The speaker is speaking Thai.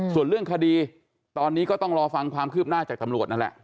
ส่วนเรื่องคดีตอนนี้ก็ต้องรอฟังความคืบหน้าจากตำรวจนั่นแหละ